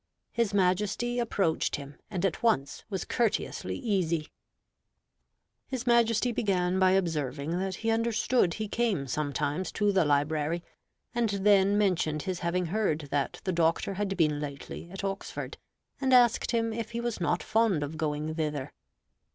His Majesty approached him, and at once was courteously easy. His Majesty began by observing that he understood he came sometimes to the library; and then mentioned his having heard that the Doctor had been lately at Oxford, and asked him if he was not fond of going thither.